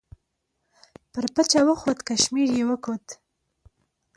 پر پچه وخوت کشمیر یې وکوت.